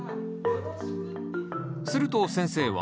すると先生は。